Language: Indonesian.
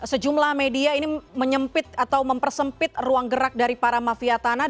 sejumlah media ini menyempit atau mempersempit ruang gerak dari para mafia tanah